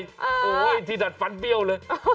โอ้โหที่ดัดฟันเบี้ยวเลย